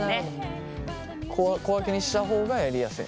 小分けにした方がやりやすい？